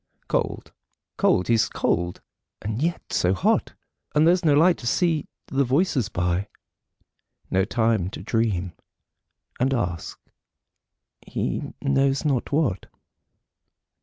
Cold; cold; he's cold; and yet so hot: And there's no light to see the voices by No time to dream, and ask he knows not what.